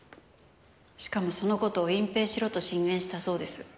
しかもその事を隠蔽しろと進言したそうです。